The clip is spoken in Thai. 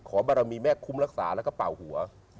บารมีแม่คุ้มรักษาแล้วก็เป่าหัว